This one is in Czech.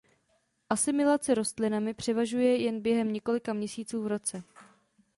Asimilace rostlinami převažuje jen během několika měsíců v roce.